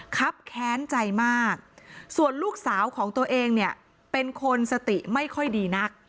ครับแค้นใจมากส่วนลูกสาวของตัวเองเนี่ยเป็นคนสติไม่ค่อยดีนัก